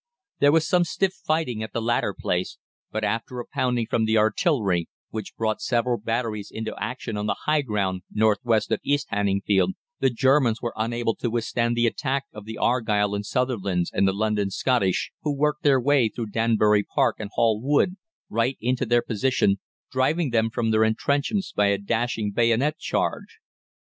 There was some stiff fighting at the latter place, but after a pounding from the artillery, who brought several batteries into action on the high ground north west of East Hanningfield, the Germans were unable to withstand the attack of the Argyll and Sutherlands and the London Scottish, who worked their way through Danbury Park and Hall Wood right into their position, driving them from their entrenchments by a dashing bayonet charge.